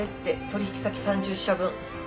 取引先３０社分。